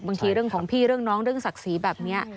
เรื่องของพี่เรื่องน้องเรื่องศักดิ์ศรีแบบนี้